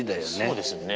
そうですよね。